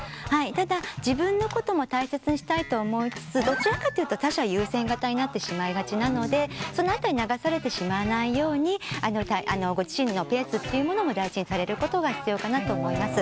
ただ自分のことも大切にしたいと思いつつどちらかというと他者優先型になってしまいがちなのでその辺り流されてしまわないようにご自身のペースっていうものも大事にされることが必要かなと思います。